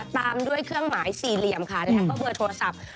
ตามด้วยเครื่องหมายสี่เหลี่ยมค่ะแล้วก็เบอร์โทรศัพท์